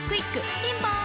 ピンポーン